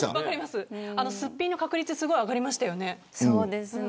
すっぴんの確率上がりましたよね。